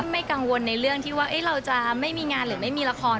ไม่กังวลในเรื่องที่ว่าเราจะไม่มีงานหรือไม่มีละคร